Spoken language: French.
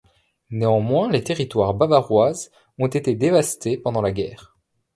Néanmoins, les territoires bavaroises ont été devastés pendant la guerre.